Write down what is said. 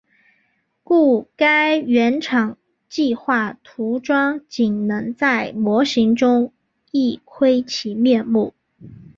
故该原厂计画涂装仅能在模型中一窥其面目。